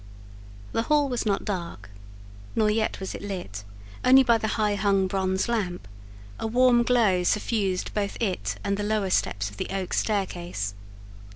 The hall was not dark, nor yet was it lit, only by the high hung bronze lamp; a warm glow suffused both it and the lower steps of the oak staircase.